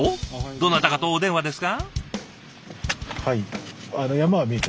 どなたかとお電話ですか？